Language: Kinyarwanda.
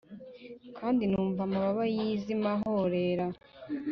Kandi numva amababa y ibizima ahorera